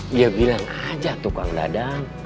dia bilang aja tukang dadang